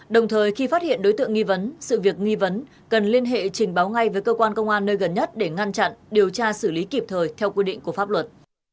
đồng thời khi phát hiện đối tượng nghi vấn sự việc nghi vấn cần liên hệ trình báo ngay với cơ quan công an nơi gần nhất để ngăn chặn điều tra xử lý kịp thời theo quy định của pháp luật